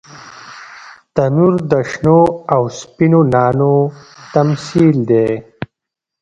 تنور د شنو او سپینو نانو تمثیل دی